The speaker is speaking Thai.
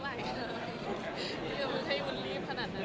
อายุไม่ได้ยุนรีบขนาดนั้น